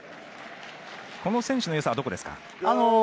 この選手のよさは、どこですか？